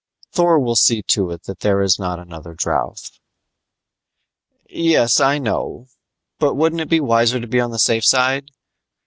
"Thor will see to it that there is not another drouth." "Yes, I know, but wouldn't it be wiser to be on the safe side?